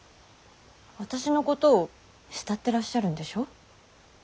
私のことを慕ってらっしゃるんでしょ。